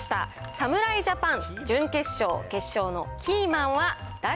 侍ジャパン、準決勝、決勝のキーマンは誰？